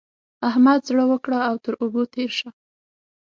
احمد زړه وکړه او تر اوبو تېر شه.